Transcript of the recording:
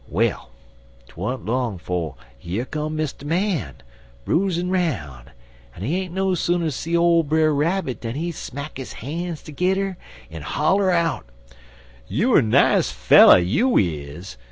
Well, 'twa'n't long 'fo' yer come Mr. Man, broozin' 'roun', en he ain't no sooner see ole Brer Rabbit dan he smack his han's tergedder en holler out: "'You er nice feller, you is!